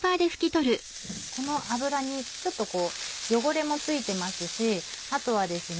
この油にちょっと汚れも付いてますしあとはですね